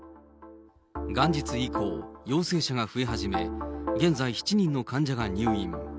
元日以降、陽性者が増え始め、現在７人の患者が入院。